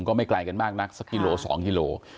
ก็ไม่ไกลกันมากนักสักกิโล๒กิโล